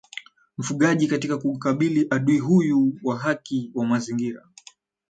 mfugaji katika kukabili adui huyu wa haki wa Mazingira